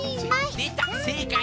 でたせいかい！